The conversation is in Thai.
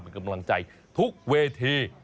เป็นกำลังใจทุกเวที